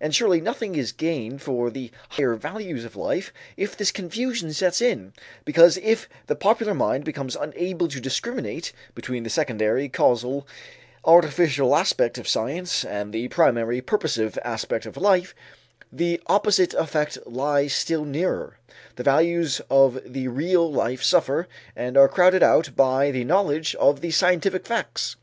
And surely nothing is gained for the higher values of life if this confusion sets in, because if the popular mind becomes unable to discriminate between the secondary, causal, artificial aspect of science and the primary, purposive aspect of life, the opposite effect lies still nearer: the values of the real life suffer and are crowded out by the knowledge of the scientific facts.